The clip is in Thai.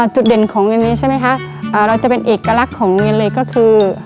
จุดเด่นของเงินนี้ใช่ไหมคะเราจะเป็นเอกลักษณ์ของโรงเรียนเลยก็คือ